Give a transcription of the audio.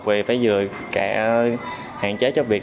thì phải vừa cả hạn chế cho việc